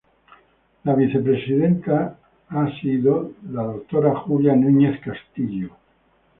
La vicepresidenta ha sido Dª Julia Nuñez Castillo.